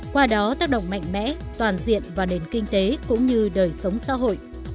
qua đó tác động mạnh mẽ toàn diện vào nền kinh tế cũng như đời sống xã hội